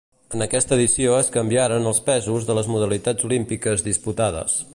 En aquesta edició es canviaren els pesos de les modalitats olímpiques disputades.